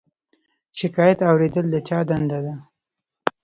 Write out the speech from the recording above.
شکایت اوریدل د چا دنده ده؟